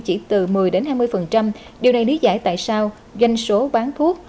chỉ từ một mươi hai mươi điều này đí dạy tại sao doanh số bán thuốc